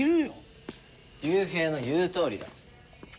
龍平の言うとおりだ。